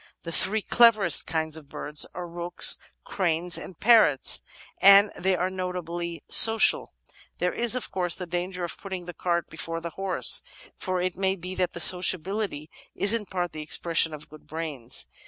The three cleverest kinds of birds are rooks, cranes, and parrots, and they are notably social. There is, of course^ the danger of putting the cart before the horse, for it may be that the sociability is in part the expression of good brains.